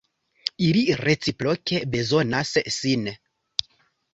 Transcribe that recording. Ili reciproke bezonas sin.